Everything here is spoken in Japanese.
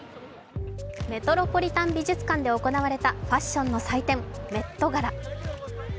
メトロポリタン美術館で行われたファッションの祭典・メットガラ。